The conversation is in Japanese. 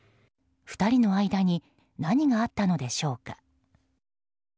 ２人の間に何があったのでしょうか。